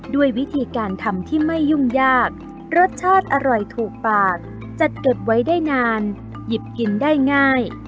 ด้วยวิธีการทำที่ไม่ยุ่งยากรสชาติอร่อยถูกปากจัดเก็บไว้ได้นานหยิบกินได้ง่าย